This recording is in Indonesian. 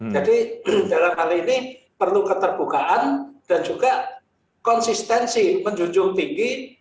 jadi dalam hal ini perlu keterbukaan dan juga konsistensi menjunjung tinggi